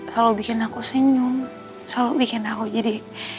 selalu bikin aku senyum selalu bikin aku jadi